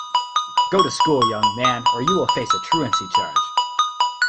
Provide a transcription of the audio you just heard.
Go to school, young man, or you will face a truancy charge!